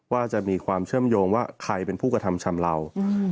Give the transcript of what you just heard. ว่าจะมีความเชื่อมโยงว่าใครเป็นผู้กระทำชำเลา